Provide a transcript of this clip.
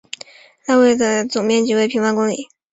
邦维拉尔的总面积为平方公里。